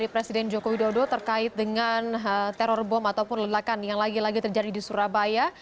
presiden joko widodo terkait dengan teror bom ataupun lelakan yang lagi lagi terjadi di surabaya